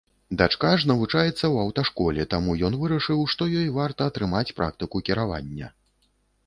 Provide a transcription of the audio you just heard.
Дачка ж навучаецца ў аўташколе, таму ён вырашыў, што ёй варта атрымаць практыку кіравання.